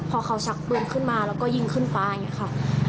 พอเขาชักปืนขึ้นมาแล้วก็ยิงขึ้นฟ้าอย่างนี้ค่ะ